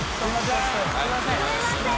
すみません。